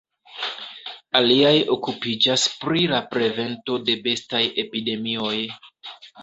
Aliaj okupiĝas pri la prevento de bestaj epidemioj.